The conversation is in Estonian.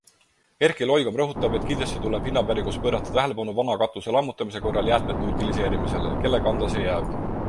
Erki Loigom rõhutab, et kindlasti tuleb hinnapäringus pöörata tähelepanu vana katuse lammutamise korral jäätmete utiliseerimisele - kelle kanda see jääb?